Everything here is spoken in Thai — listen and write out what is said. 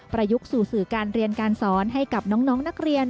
ยุคสู่สื่อการเรียนการสอนให้กับน้องนักเรียน